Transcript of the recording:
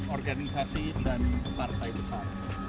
organisasi dan partai besar